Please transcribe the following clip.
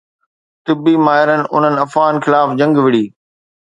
طبي ماهرن انهن افواهن خلاف جنگ وڙهي